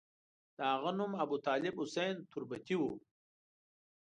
د هغه نوم ابوطالب حسین تربتي وو.